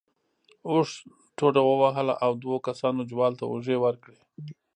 اوښ ټوډه ووهله او دوو کسانو جوال ته اوږې ورکړې.